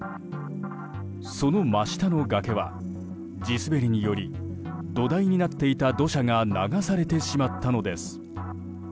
その真下の崖は、地滑りにより土台になっていた土砂が流されてしまったのです。